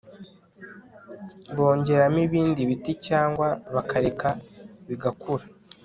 bongeramo ibindi biti cyangwa bakareka bigakura